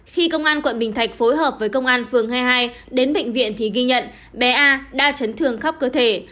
khi công an quận bình thạch phối hợp với công an phường hai mươi hai đến bệnh viện thì ghi nhận bé a đã chấn thương khắp cơ thể